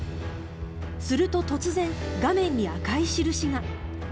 すると、突然画面に赤い印が。